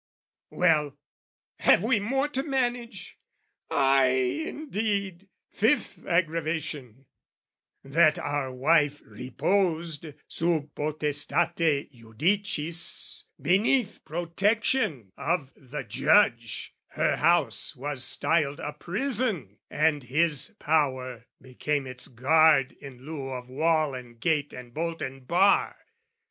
Well, have we more to manage? Ay, indeed! Fifth aggravation, that our wife reposed Sub potestate judicis, beneath Protection of the judge, her house was styled A prison, and his power became its guard In lieu of wall and gate and bolt and bar.